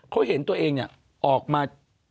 เขาเห็นตัวเองออกมา